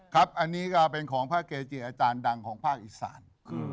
ครับอันนี้ก็เป็นของพระเกจิอาจารย์ดังของภาคอีสาน